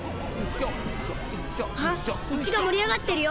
あっみちがもりあがってるよ！